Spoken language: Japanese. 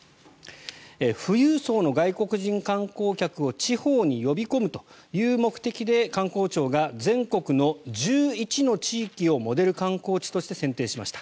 富裕層の外国人観光客を地方に呼び込むという目的で観光庁が全国の１１の地域をモデル観光地として選定しました。